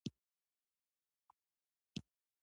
دا وسيله د نجارو، انجینرانو، او هنرمندانو لپاره هم ارزښت لري.